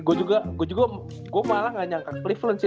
gue juga malah gak nyangka cleveland sih